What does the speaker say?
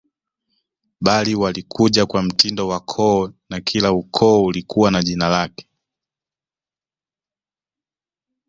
Bali walikuja kwa mtindo wa koo na kila ukoo ulikuwa na jina lake